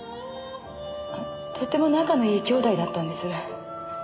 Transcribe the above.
あとっても仲のいい兄弟だったんです。